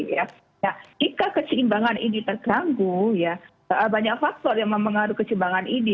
nah jika keseimbangan ini terganggu banyak faktor yang mempengaruhi keseimbangan ini